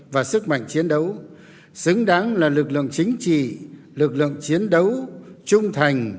và sức mạnh chiến đấu xứng đáng là lực lượng chính trị lực lượng chiến đấu trung thành